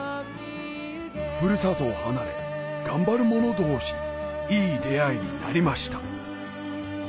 ふるさとを離れ頑張る者同士いい出会いになりました